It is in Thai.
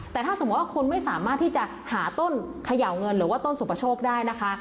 แต่ถ้าสมมุติว่าคุณไม่สามารถที่จะหาต้นเขย่าเงินหรือว่าต้นสุปโชคได้นะคะ